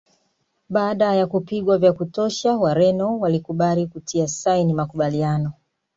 Baada ya kupigwa vya kutosha Wareno walikubali kutia saini makubaliano